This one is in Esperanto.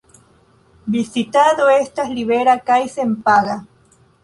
Vizitado estas libera kaj senpaga.